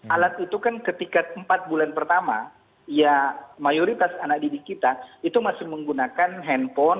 alat itu kan ketika empat bulan pertama ya mayoritas anak didik kita itu masih menggunakan handphone